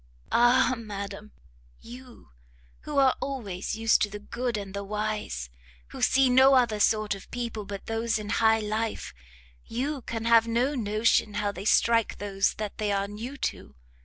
"Ah madam! You, who are always used to the good and the wise, who see no other sort of people but those in high life, you can have no notion how they strike those that they are new to!